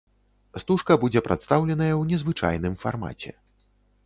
Стужка будзе прадстаўленая ў незвычайным фармаце.